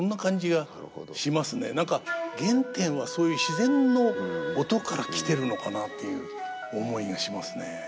何か原点はそういう自然の音から来てるのかなっていう思いがしますね。